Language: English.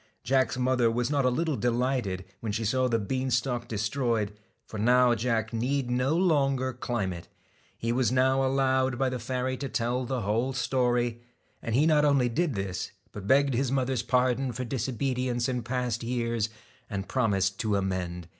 Jack's mother was not a little delighted when she saw the bean stalk destroyed, for now Jack need no longer climb it. He was now allowed by the fairy to tell the whole story ; and he not only did this, but begged his mother's pardon for dis obedience in past years, and promised to amend.